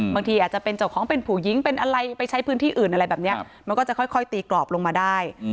บางทีอาจจะเป็นเจ้าของเป็นผู้หญิงเป็นอะไรไปใช้พื้นที่อื่นอะไรแบบนี้มันก็จะค่อยตีกรอบลงมาได้